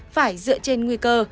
phải dựa trên nguy cơ